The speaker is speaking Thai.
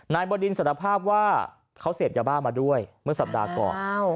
บดินสารภาพว่าเขาเสพยาบ้ามาด้วยเมื่อสัปดาห์ก่อน